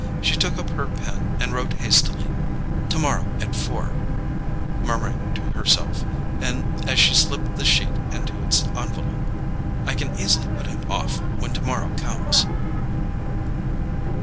She took up her pen and wrote hastily: "TOMORROW AT FOUR;" murmuring to herself, as she slipped the sheet into its envelope: "I can easily put him off when tomorrow comes."